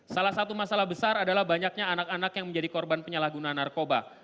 salah satu masalah besar adalah banyaknya anak anak yang menjadi korban penyalahgunaan narkoba